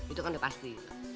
itu kan pasti